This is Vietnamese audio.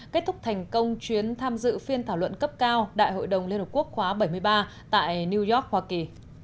kết thúc thành công chuyến tham dự phiên thảo luận cấp cao đại hội đồng liên hợp quốc khóa bảy mươi ba tại new york hoa kỳ